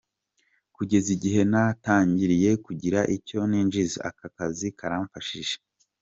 Kugeza igihe natangiriye kugira icyo ninjiza, aka kazi karamfashije.